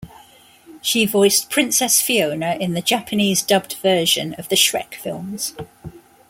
She voiced Princess Fiona in the Japanese-dubbed version of the Shrek films.